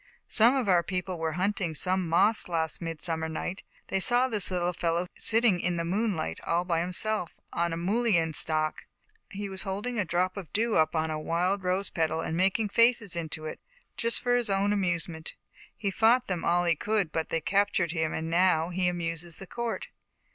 "Some of our people were hunting night moths last midsummer night, they saw this little fellow sitting in the moon light, all by himself, on a mullein stalk. He was holding a drop of dew up on a wild rose petal and making faces into it, just for his own amusement. He fought them all he could, but they captured him and now he amuses the court."